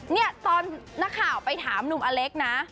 เนี่ยตอนนักข่าวไปถามหนุ่มอเล็กนะ